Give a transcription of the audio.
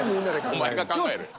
お前が考えろよ。